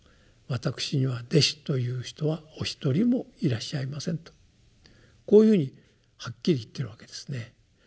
「私には弟子という人はお一人もいらっしゃいません」とこういうふうにはっきり言ってるわけですね。